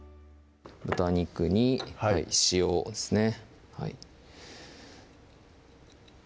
豚肉に塩ですね